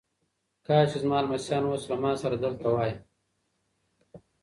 کاشکي زما لمسیان اوس له ما سره دلته وای.